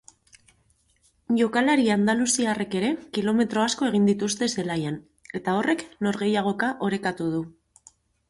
Jokalari andaluziarrek ere kilometro asko egin dituzte zelaian eta horrek norgehiagoka orekatu du.